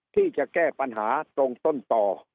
ที่จะแก้ปัญหาตรงต้นต่อ